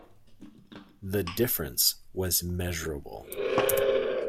The difference was measurable.